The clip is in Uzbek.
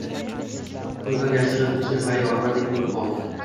– ko‘zdan yashirin «o‘zga sayyora»dek bo‘lib qoldi.